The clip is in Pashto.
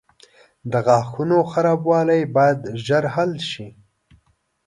• د غاښونو خرابوالی باید ژر حل شي.